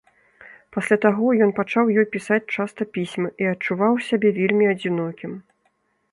Пасля таго ён пачаў ёй пісаць часта пісьмы і адчуваў сябе вельмі адзінокім.